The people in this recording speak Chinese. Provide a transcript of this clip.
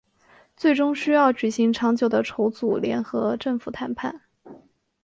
最终需要举行长久的筹组联合政府谈判。